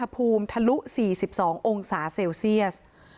อาบน้ำเป็นจิตเที่ยว